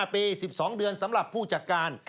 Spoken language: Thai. ปี๑๒เดือนสำหรับผู้จัดการ